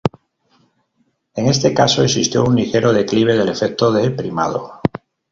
En este caso, existió un ligero declive del efecto de primado.